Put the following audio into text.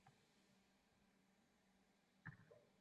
Qo`rqqanimdan yanayam g`ujanak bo`lvoldim